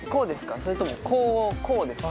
それともこうこうですか？